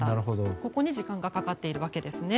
ここに時間がかかっているわけですね。